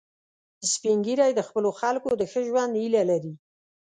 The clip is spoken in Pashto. سپین ږیری د خپلو خلکو د ښه ژوند هیله لري